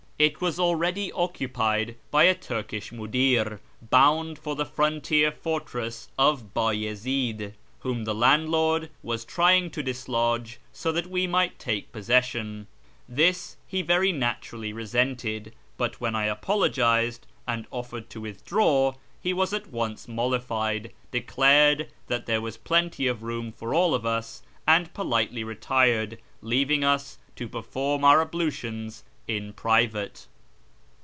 It was already occupied by a Turkish mucUr, bound for the frontier fortress of Bayezi'd, whom the landlord was trying to dislodge so that we might take possession. This he very naturally resented ; but when I apologised, and offered to withdraw, he was at once mollified, declared that there was plenty of room for all of us, and politely retired, leaving us to perform our ablutions in private.